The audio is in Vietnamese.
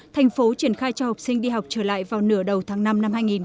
thành phố triển khai cho học sinh đi học trở lại vào nửa đầu tháng năm năm hai nghìn hai mươi